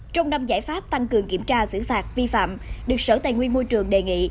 trong năm giải pháp tăng cường kiểm tra xử phạt vi phạm được sở tài nguyên môi trường đề nghị